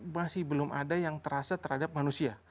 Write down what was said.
masih belum ada yang terasa terhadap manusia